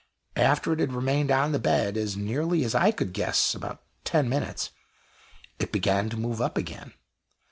After it had remained on the bed as nearly as I could guess about ten minutes, it began to move up again.